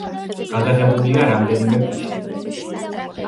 გადაღებულია რამდენიმე ფიში.